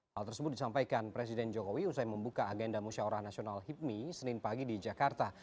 hal tersebut disampaikan presiden jokowi usai membuka agenda musyawarah nasional hipmi senin pagi di jakarta